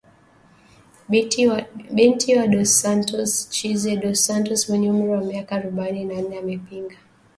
Binti wa Dos Santos Tchize dos Santos mwenye umri wa miaka arobaini na nne amepinga